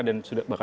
dan sudah bahkan